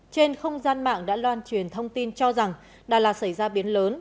trên không gian mạng đã loan truyền thông tin cho rằng đà lạt xảy ra biến lớn